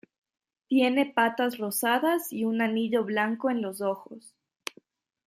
Tienen patas rosadas y un anillo blanco en los ojos.